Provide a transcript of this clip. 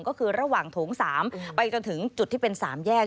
ก็คือระหว่างโถง๓ไปจนถึงจุดที่เป็น๓แยก